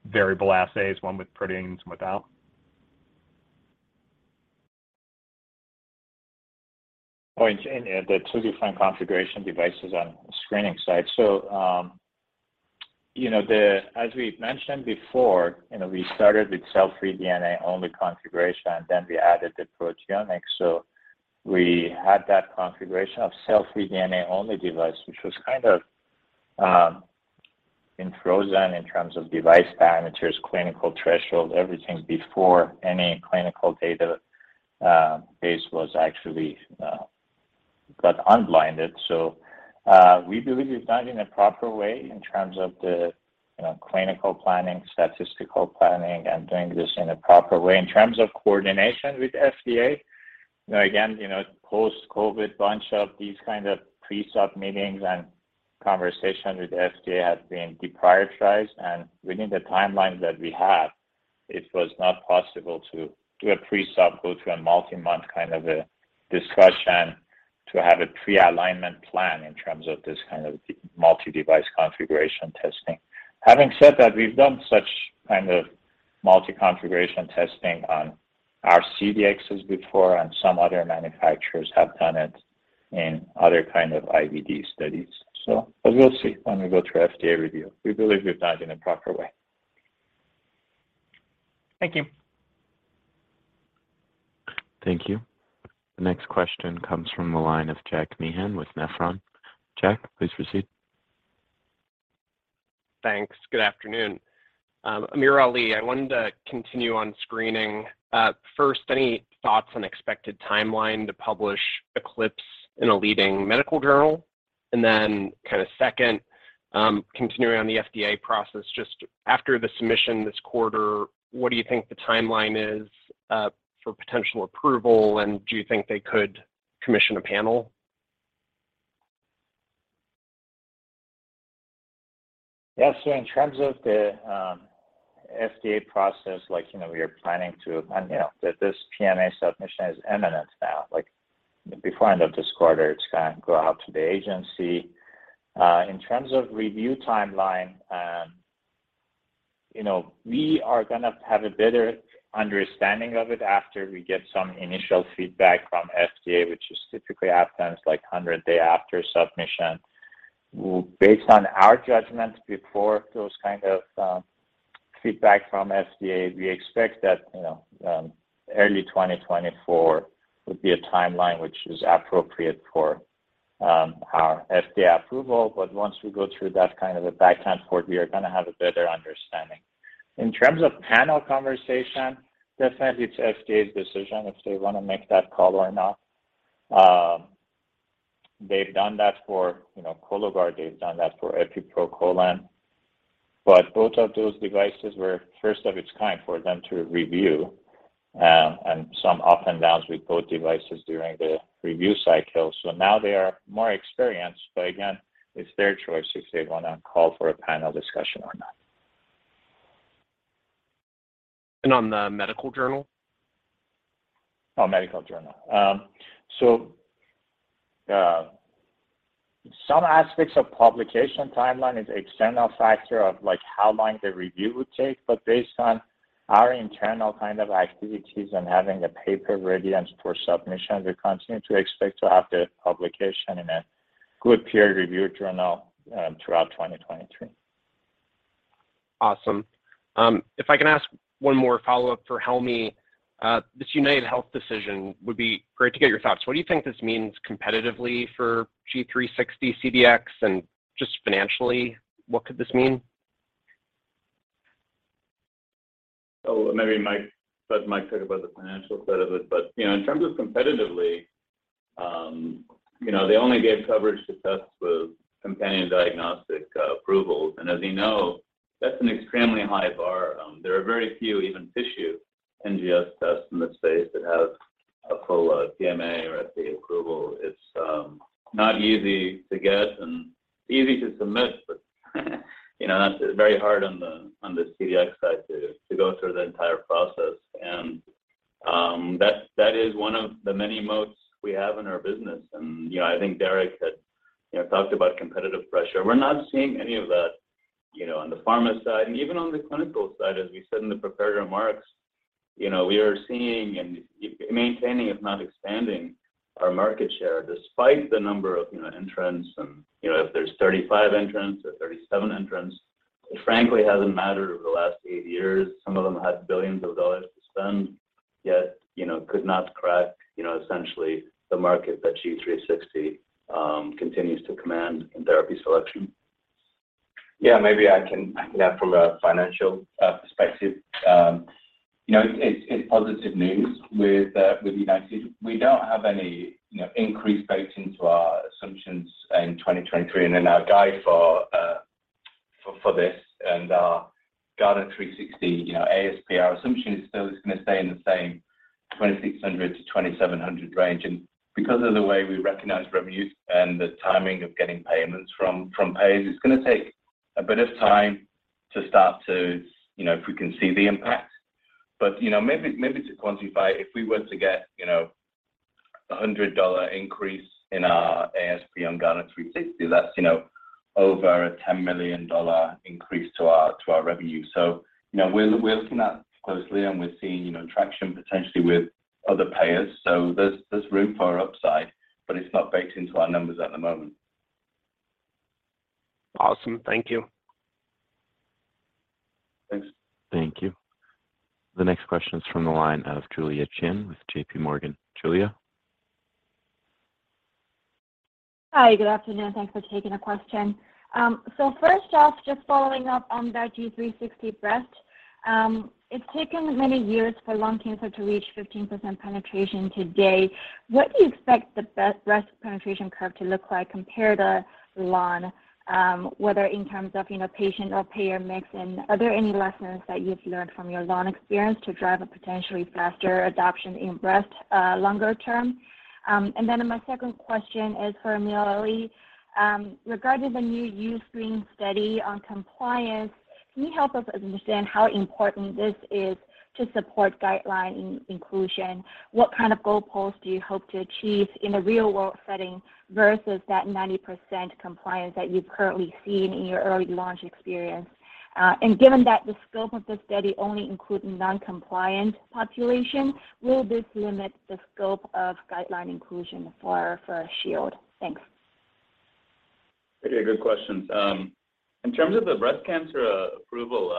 variable assays, one with proteins and without? In the 2 different configuration devices on the screening side. You know, as we mentioned before, you know, we started with cell-free DNA only configuration, and then we added the proteomics. We had that configuration of cell-free DNA only device, which was kind of, in frozen in terms of device parameters, clinical threshold, everything before any clinical data base was actually got unblinded. We believe it's done in a proper way in terms of the, you know, clinical planning, statistical planning, and doing this in a proper way. In terms of coordination with FDA, you know, again, you know, post-COVID, bunch of these kind of pre-sub meetings and conversations with FDA has been deprioritized. Within the timeline that we have, it was not possible to do a pre-sub, go through a multi-month kind of a discussion to have a pre-alignment plan in terms of this kind of multi-device configuration testing. Having said that, we've done such kind of multi-configuration testing on our CDxs before, and some other manufacturers have done it in other kind of IVD studies. We'll see when we go through FDA review. We believe we've done it in a proper way. Thank you. Thank you. The next question comes from the line of Jack Meehan with Nephron. Jack, please proceed. Thanks. Good afternoon. AmirAli, I wanted to continue on screening. First, any thoughts on expected timeline to publish ECLIPSE in a leading medical journal? Then kind of second, continuing on the FDA process, just after the submission this quarter, what do you think the timeline is for potential approval, and do you think they could commission a panel? Yes. In terms of the FDA process, you know, we are planning this PMA submission is imminent now. Before end of this quarter, it's gonna go out to the agency. In terms of review timeline, you know, we are gonna have a better understanding of it after we get some initial feedback from FDA, which is typically at times like 100 day after submission. Based on our judgment before those kind of feedback from FDA, we expect that, you know, early 2024 would be a timeline which is appropriate for our FDA approval. Once we go through that kind of a back and forth, we are gonna have a better understanding. In terms of panel conversation, definitely it's FDA's decision if they wanna make that call or not. They've done that for, you know, Cologuard, they've done that for Epi proColon. Both of those devices were first of its kind for them to review, and some up and downs with both devices during the review cycle. Now they are more experienced, but again, it's their choice if they wanna call for a panel discussion or not. On the medical journal? Oh, medical journal. Some aspects of publication timeline is external factor of like how long the review would take, but based on our internal kind of activities and having the paper ready and for submission, we continue to expect to have the publication in a good peer review journal, throughout 2023. Awesome. If I can ask one more follow-up for Helmy. This UnitedHealthcare decision would be great to get your thoughts. What do you think this means competitively for Guardant360 CDx? Just financially, what could this mean? Maybe Mike let Mike talk about the financial side of it. You know, in terms of competitively, you know, they only gave coverage to tests with companion diagnostic approvals. As you know, that's an extremely high bar. There are very few even tissue NGS tests in this space that have a full PMA or FDA approval. It's not easy to get and easy to submit, but, you know, that's very hard on the CDx side to go through the entire process. That is one of the many moats we have in our business. You know, I think Derik had, you know, talked about competitive pressure. We're not seeing any of that, you know, on the pharma side and even on the clinical side, as we said in the prepared remarks. You know, we are seeing and maintaining, if not expanding our market share despite the number of, you know, entrants and, you know, if there's 35 entrants or 37 entrants, it frankly hasn't mattered over the last eight years. Some of them had billions of dollars to spend, yet, you know, could not crack, you know, essentially the market that Guardant360 continues to command in therapy selection. Yeah, maybe I can add from a financial perspective. You know, it's positive news with United. We don't have any, you know, increased baked into our assumptions in 2023. In our guide for this and our Guardant360, you know, ASP, our assumption is still it's gonna stay in the same $2,600-$2,700 range. Because of the way we recognize revenues and the timing of getting payments from payers, it's gonna take a bit of time to start to, you know, if we can see the impact. You know, maybe to quantify, if we were to get, you know, a $100 increase in our ASP on Guardant360, that's, you know, over a $10 million increase to our revenue. You know, we're looking at it closely, and we're seeing, you know, traction potentially with other payers. There's room for upside, but it's not baked into our numbers at the moment. Awesome. Thank you. Thanks. Thank you. The next question is from the line of Julia Qin with JPMorgan. Julia. Hi, good afternoon. Thanks for taking the question. First off, just following up on that Guardant360 breast, it's taken many years for lung cancer to reach 15% penetration today. What do you expect the breast penetration curve to look like compared to lung, whether in terms of, you know, patient or payer mix? Are there any lessons that you've learned from your lung experience to drive a potentially faster adoption in breast, longer term? My second question is for Mike Bell. Regarding the new U-SCREEN study on compliance, can you help us understand how important this is to support guideline inclusion? What kind of goalposts do you hope to achieve in a real world setting versus that 90% compliance that you've currently seen in your early launch experience? Given that the scope of the study only included non-compliant population, will this limit the scope of guideline inclusion for Shield? Thanks. Pretty good questions. In terms of the breast cancer approval,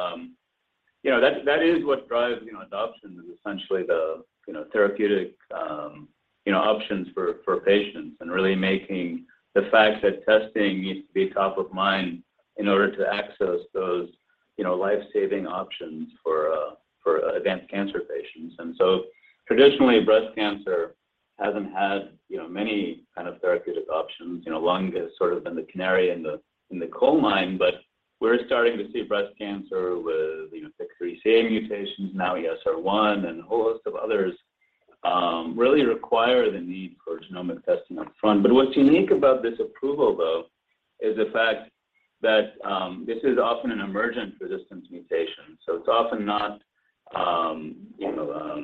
you know, that is what drives, you know, adoption is essentially the, you know, therapeutic, you know, options for patients and really making the fact that testing needs to be top of mind in order to access those, you know, life-saving options for advanced cancer patients. Traditionally, breast cancer hasn't had, you know, many kind of therapeutic options. You know, lung has sort of been the canary in the, in the coal mine, but we're starting to see breast cancer with, you know, PIK3CA mutations, now ESR1 and a whole host of others, really require the need for genomic testing up front. What's unique about this approval though is the fact that this is often an emergent resistance mutation. It's often not, you know,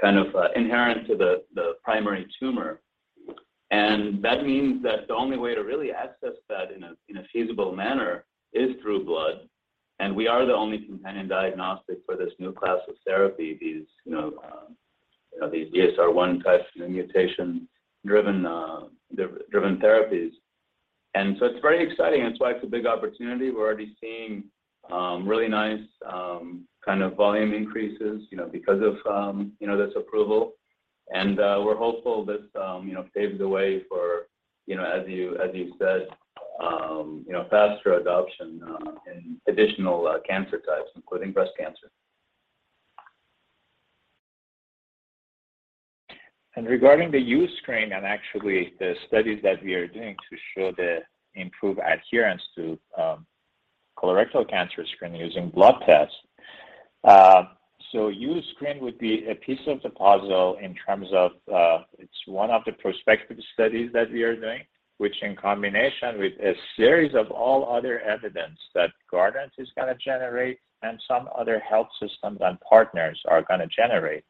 kind of inherent to the primary tumor. That means that the only way to really access that in a, in a feasible manner is through blood. We are the only companion diagnostic for this new class of therapy, these, you know, these ESR1 tests and the mutation driven therapies. It's very exciting. That's why it's a big opportunity. We're already seeing, really nice, kind of volume increases, you know, because of, you know, this approval. We're hopeful this, you know, paves the way for, you know, as you, as you said, you know, faster adoption, in additional, cancer types, including breast cancer. Regarding the U-SCREEN and actually the studies that we are doing to show the improved adherence to colorectal cancer screening using blood tests. U-SCREEN would be a piece of the puzzle in terms of, it's one of the prospective studies that we are doing, which in combination with a series of all other evidence that Guardant is gonna generate and some other health systems and partners are gonna generate.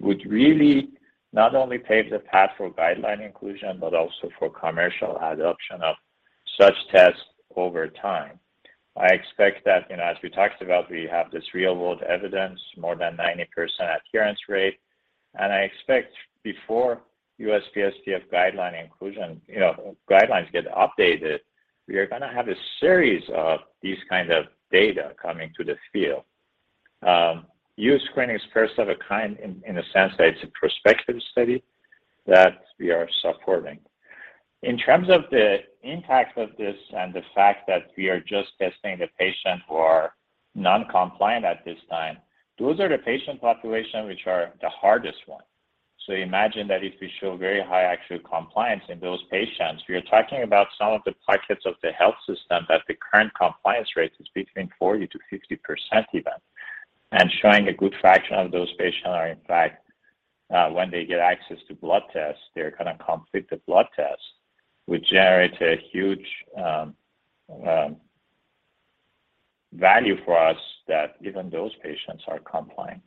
Would really not only pave the path for guideline inclusion, but also for commercial adoption of such tests over time. I expect that, you know, as we talked about, we have this real-world evidence, more than 90% adherence rate. I expect before USPSTF guideline inclusion, you know, guidelines get updated, we are going to have a series of these kind of data coming to the field. U-SCREEN is first of a kind in a sense that it's a prospective study that we are supporting. In terms of the impact of this and the fact that we are just testing the patient who are non-compliant at this time, those are the patient population which are the hardest one. Imagine that if we show very high actual compliance in those patients, we are talking about some of the pockets of the health system that the current compliance rate is between 40%-60% even. Showing a good fraction of those patients are in fact, when they get access to blood tests, they're going to complete the blood tests, which generates a huge value for us that even those patients are compliant.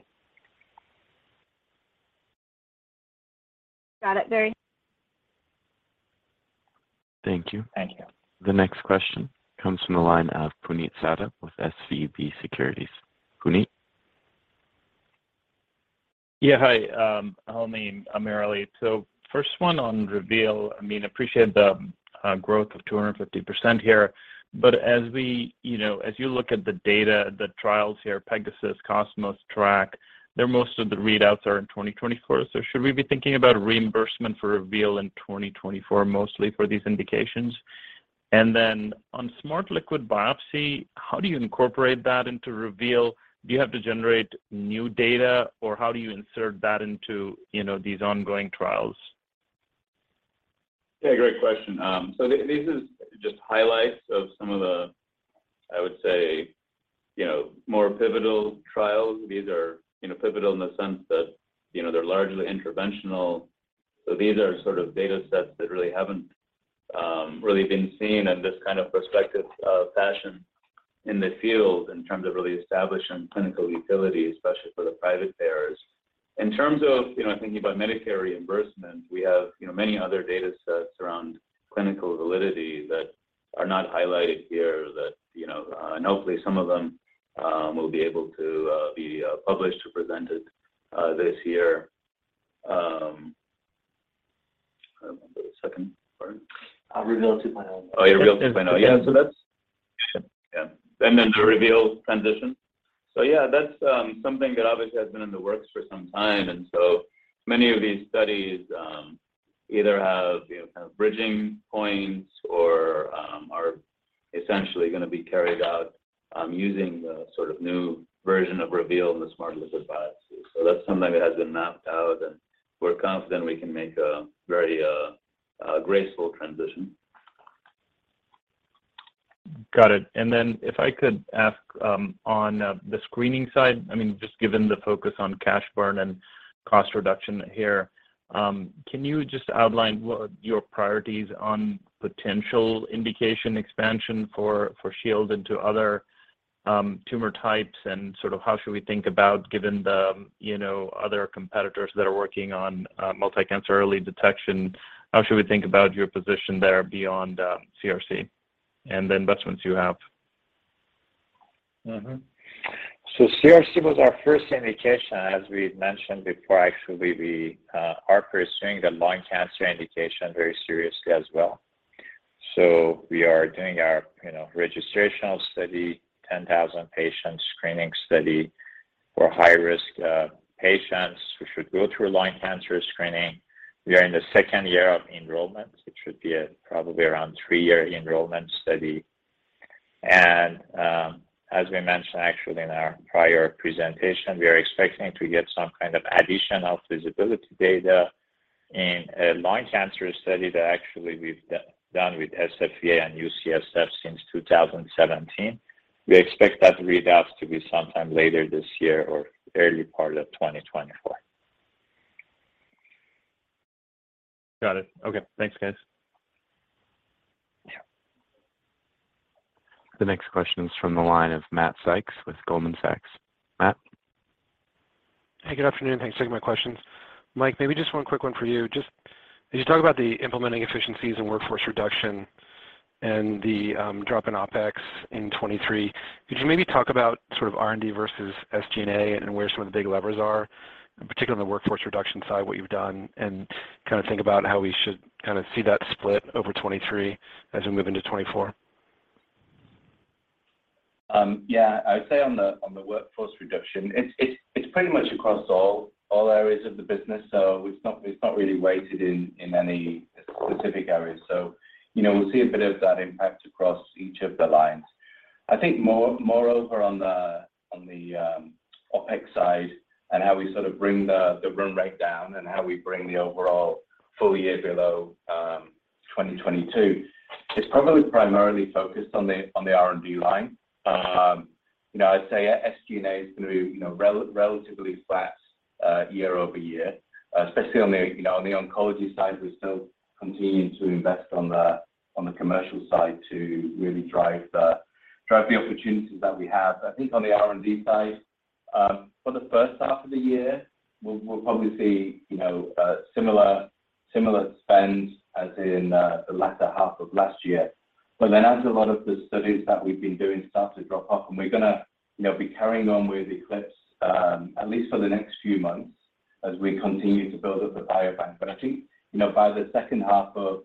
Got it. Very... Thank you. Thank you. The next question comes from the line of Puneet Souda with SVB Securities. Puneet. Yeah, hi, AmirAli. First one on Reveal, I mean, appreciate the growth of 250% here. As you know, as you look at the data, the trials here, Pegasus, Cosmos, TRACC, they're most of the readouts are in 2024. Should we be thinking about reimbursement for Reveal in 2024 mostly for these indications? On Smart Liquid Biopsy, how do you incorporate that into Reveal? Do you have to generate new data, or how do you insert that into, you know, these ongoing trials? Great question. This is just highlights of some of the, I would say, you know, more pivotal trials. These are, you know, pivotal in the sense that, you know, they're largely interventional. These are sort of data sets that really haven't really been seen in this kind of perspective fashion in the field in terms of really establishing clinical utility, especially for the private payers. In terms of, you know, thinking about Medicare reimbursement, we have, you know, many other data sets around clinical validity that are not highlighted here that, you know, and hopefully some of them will be able to be published or presented this year. I don't remember the second part. Reveal 2.0. Oh, yeah. Reveal 2.0. Yeah. Yeah. The Reveal transition. Yeah, that's something that obviously has been in the works for some time. Many of these studies, either have, you know, kind of bridging points or are essentially gonna be carried out, using the sort of new version of Reveal in the Smart Liquid Biopsy. That's something that has been mapped out, and we're confident we can make a very graceful transition. Got it. If I could ask, on the screening side, I mean, just given the focus on cash burn and cost reduction here, can you just outline what your priorities on potential indication expansion for Shield into other tumor types and sort of how should we think about given the, you know, other competitors that are working on multi-cancer early detection? How should we think about your position there beyond CRC and the investments you have? Mm-hmm. CRC was our first indication, as we mentioned before. Actually, we are pursuing the lung cancer indication very seriously as well. We are doing our, you know, registrational study, 10,000 patients screening study for high-risk patients who should go through a lung cancer screening. We are in the second year of enrollment, which should be a probably around 3-year enrollment study. As we mentioned actually in our prior presentation, we are expecting to get some kind of additional feasibility data in a lung cancer study that actually we've done with SFVA and UCSF since 2017. We expect that readouts to be sometime later this year or early part of 2024. Got it. Okay. Thanks, guys. Yeah. The next question is from the line of Matt Sykes with Goldman Sachs. Matt. Hey, good afternoon. Thanks for taking my questions. Mike, maybe just one quick one for you. Just as you talk about the implementing efficiencies and workforce reduction and the drop in OpEx in 2023, could you maybe talk about sort of R&D versus SG&A and where some of the big levers are, particularly on the workforce reduction side, what you've done, and kinda think about how we should kinda see that split over 2023 as we move into 2024? Yeah. I would say on the workforce reduction, it's pretty much across all areas of the business, so it's not really weighted in any specific areas. You know, we'll see a bit of that impact across each of the lines. I think moreover on the OpEx side and how we sort of bring the run rate down and how we bring the overall full year below 2022, it's probably primarily focused on the R&D line. You know, I'd say SG&A is gonna be, you know, relatively flat year-over-year, especially on the oncology side, we're still continuing to invest on the commercial side to really drive the opportunities that we have. I think on the R&D side, for the first half of the year, we'll probably see, you know, similar spends as in the latter half of last year. As a lot of the studies that we've been doing start to drop off, and we're gonna, you know, be carrying on with ECLIPSE, at least for the next few months as we continue to build up the biobank. I think, you know, by the second half of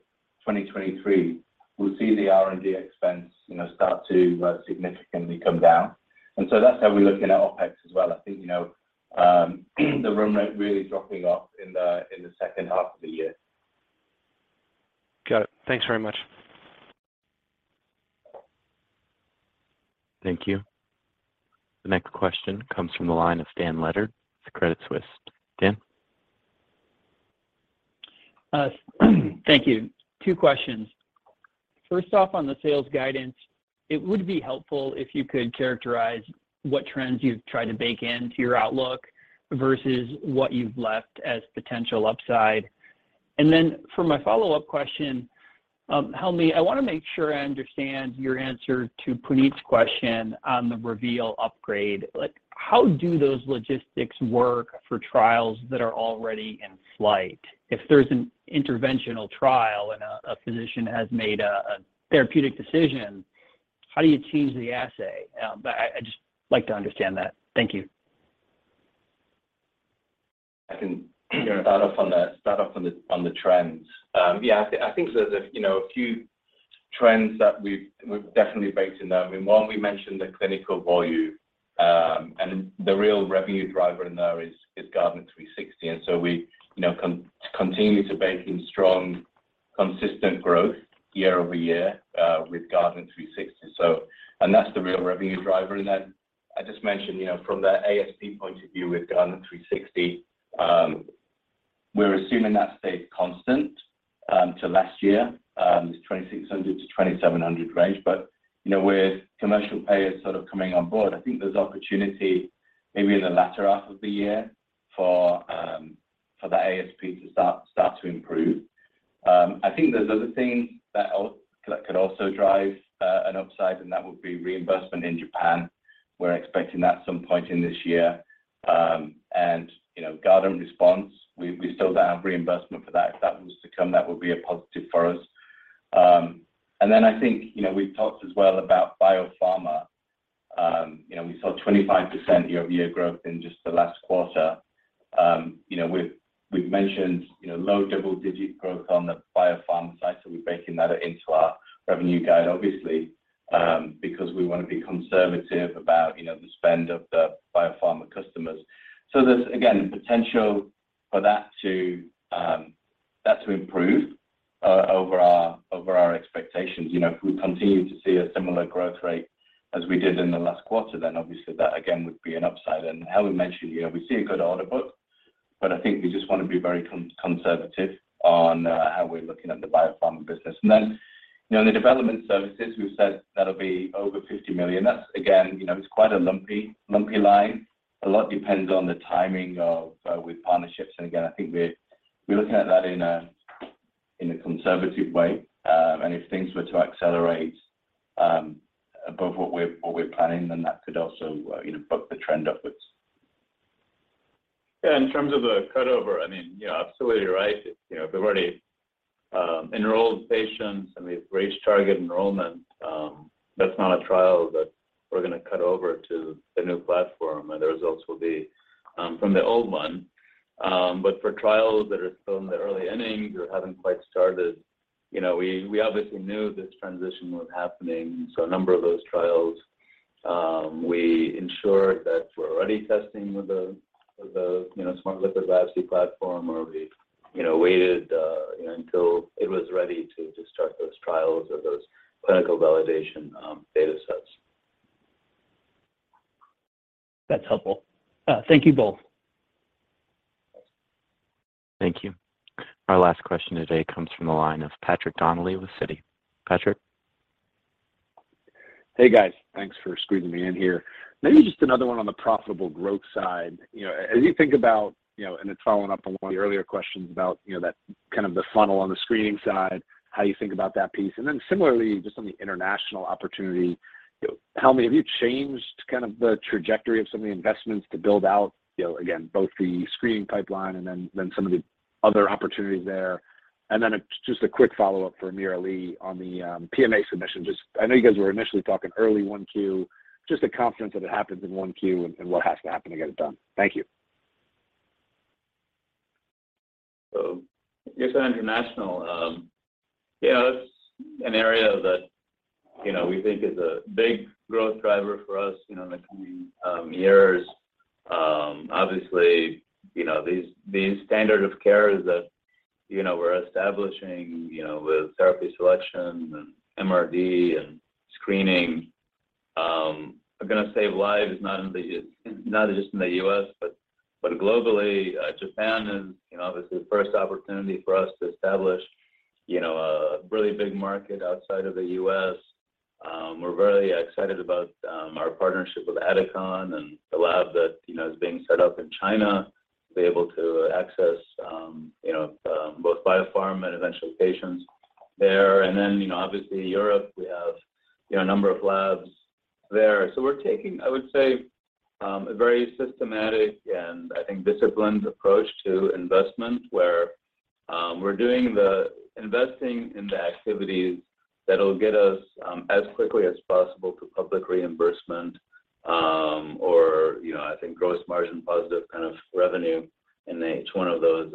2023, we'll see the R&D expense, you know, start to significantly come down. That's how we're looking at OpEx as well. I think, you know, the run rate really dropping off in the, in the second half of the year. Got it. Thanks very much. Thank you. The next question comes from the line of Dan Leonard with Credit Suisse. Dan? Thank you. Two questions. First off, on the sales guidance, it would be helpful if you could characterize what trends you've tried to bake into your outlook versus what you've left as potential upside. For my follow-up question, Helmy, I wanna make sure I understand your answer to Puneet's question on the Reveal upgrade. Like, how do those logistics work for trials that are already in flight? If there's an interventional trial and a physician has made a therapeutic decision, how do you change the assay? I just like to understand that. Thank you. I can, you know, start off on the trends. Yeah, I think there's a, you know, a few trends that we've definitely baked in there. I mean, one, we mentioned the clinical volume, and the real revenue driver in there is Guardant360. We, you know, continue to bake in strong, consistent growth year-over-year with Guardant360. That's the real revenue driver in that. I just mentioned, you know, from the ASP point of view with Guardant360, we're assuming that stayed constant to last year, this $2,600-$2,700 range. You know, with commercial payers sort of coming on board, I think there's opportunity maybe in the latter half of the year for the ASP to start to improve. I think there's other things that could also drive an upside, and that would be reimbursement in Japan. We're expecting that some point in this year. You know, Guardant Response, we still don't have reimbursement for that. If that was to come, that would be a positive for us. I think, you know, we've talked as well about biopharma. You know, we saw 25% year-over-year growth in just the last quarter. You know, we've mentioned, you know, low double-digit growth on the biopharma side, we're baking that into our revenue guide, obviously, because we wanna be conservative about, you know, the spend of the biopharma customers. There's, again, potential for that to improve over our expectations. You know, if we continue to see a similar growth rate as we did in the last quarter, then obviously that again would be an upside. How we mentioned, you know, we see a good order book, but I think we just wanna be very conservative on how we're looking at the biopharma business. Then, you know, in the development services, we've said that'll be over $50 million. That's again, you know, it's quite a lumpy line. A lot depends on the timing of with partnerships. Again, I think we're looking at that in a conservative way. If things were to accelerate above what we're planning, then that could also, you know, buck the trend upwards. Yeah, in terms of the cut over, I mean, yeah, absolutely right. You know, if they've already enrolled patients and we've reached target enrollment, that's not a trial that we're gonna cut over to the new platform, and the results will be from the old one. For trials that are still in the early innings or haven't quite started, you know, we obviously knew this transition was happening, so a number of those trials, we ensured that we're already testing with the, you know, Smart Liquid Biopsy platform, or we, you know, waited, you know, until it was ready to start those trials or those clinical validation data sets. That's helpful. Thank you both. Thank you. Our last question today comes from the line of Patrick Donnelly with Citi. Patrick? Hey, guys. Thanks for squeezing me in here. Maybe just another one on the profitable growth side. You know, as you think about, you know, and it's following up on one of the earlier questions about, you know, that kind of the funnel on the screening side, how you think about that piece. And then similarly, just on the international opportunity, Helmy, have you changed kind of the trajectory of some of the investments to build out, you know, again, both the screening pipeline and then some of the other opportunities there? And then just a quick follow-up for AmirAli on the PMA submission. Just I know you guys were initially talking early 1Q. Just the confidence that it happens in 1Q and what has to happen to get it done. Thank you. I guess on international, yeah, that's an area that, you know, we think is a big growth driver for us, you know, in the coming years. Obviously, you know, these standard of care that, you know, we're establishing, you know, with therapy selection and MRD and screening are gonna save lives, not just in the U.S. but globally. Japan is, you know, obviously the first opportunity for us to establish, you know, a really big market outside of the U.S. We're very excited about our partnership with Adicon and the lab that, you know, is being set up in China. Be able to access, you know, both biopharm and eventually patients there. Then, you know, obviously Europe, we have, you know, a number of labs there. We're taking, I would say, a very systematic and I think disciplined approach to investment where, we're doing the investing in the activities that'll get us as quickly as possible to public reimbursement, or you know, I think gross margin positive kind of revenue in each one of those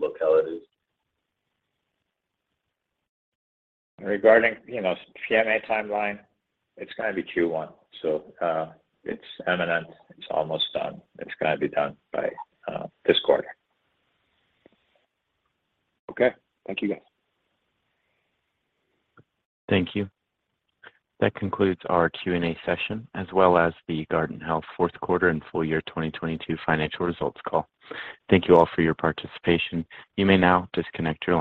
localities. Regarding, you know, PMA timeline, it's gonna be Q1. It's imminent. It's almost done. It's gonna be done by this quarter. Okay. Thank you, guys. Thank you. That concludes our Q&A session, as well as the Guardant Health fourth quarter and full year 2022 financial results call. Thank you all for your participation. You may now disconnect your lines.